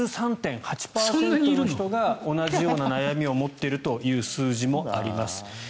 ６３．８％の人が同じような悩みを持っているという数字もあります。